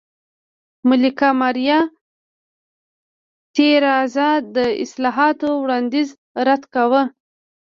ملکه ماریا تېرازا د اصلاحاتو وړاندیز رد کاوه.